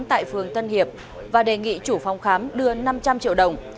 tại phường tân hiệp và đề nghị chủ phòng khám đưa năm trăm linh triệu đồng